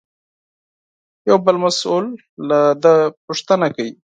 یو بل مسوول له ده پوښتنه کوي.